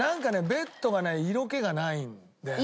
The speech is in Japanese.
ベッドがね色気がないんだよね。